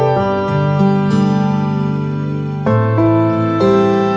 สวัสดีครับสวัสดีครับ